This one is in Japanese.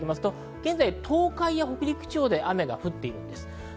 現在、東海や北陸で雨が降っているんです。